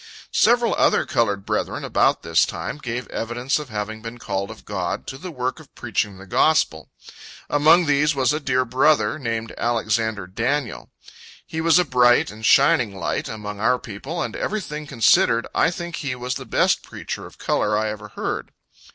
Several other colored brethren, about this time, gave evidence of having been called of God, to the work of preaching the gospel. Among these was a dear brother, named Alexander Daniel. He was a bright and shining light, among our people, and everything considered, I think he was the best preacher of color I ever heard.